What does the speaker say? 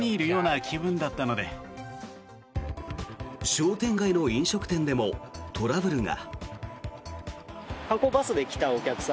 商店街の飲食店でもトラブルが。